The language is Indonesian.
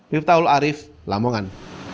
wibtaul arief lamongan